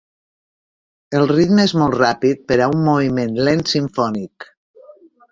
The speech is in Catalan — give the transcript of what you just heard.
El ritme és molt ràpid per a un moviment lent simfònic.